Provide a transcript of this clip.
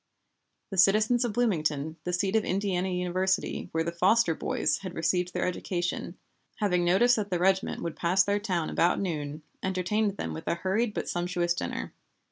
The citizens of Bloomington, the seat of Indiana University where the "Foster boys" had received their education, having notice that the regiment would pass their town about noon, entertained them with a hurried but sumptuous dinner.